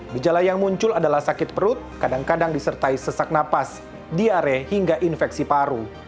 gejala yang muncul adalah sakit perut kadang kadang disertai sesak napas diare hingga infeksi paru